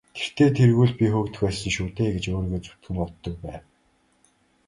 Тэртэй тэргүй л би хөөгдөх байсан шүү дээ гэж өөрийгөө зөвтгөн боддог байв.